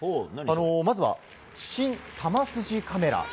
まずは、新・球筋カメラ。